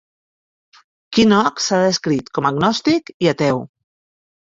Kinnock s'ha descrit com agnòstic i ateu.